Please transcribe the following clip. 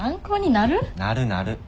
なるなる。